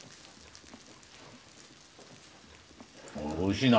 あおいしいな！